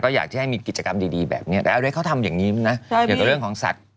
ก็อยากให้มีกิจกรรมดีแบบนี้แต่เอาเลยเขาทำอย่างนี้นะเหลือเรื่องของสัตว์